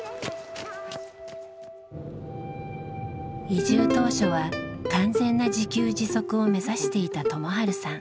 移住当初は完全な自給自足を目指していた友治さん。